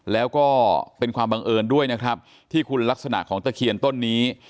แล้วก็เป็นความบังเอิญด้วยนะครับที่คุณลักษณะของตะเคียนต้นนี้